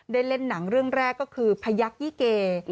เล่นหนังเรื่องแรกก็คือพยักยี่เก